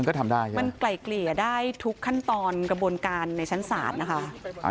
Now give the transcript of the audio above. ค่ะมันไกลเกลี่ยได้ทุกขั้นตอนกระบวนการในชั้นศาสตร์นะคะ